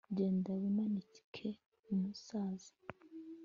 genda wimanike, musaza.